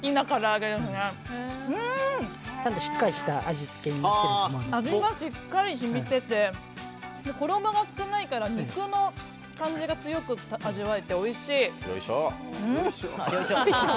味がしっかり染みてて衣が少ないから肉の感じが強く味わえておいしい。